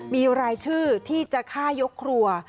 มีรายชื่อที่จะฆ่ายกครัว